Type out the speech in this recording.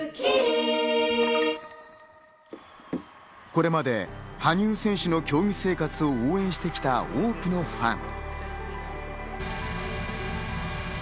これまで、羽生選手の競技生活を応援してきた多くのファン。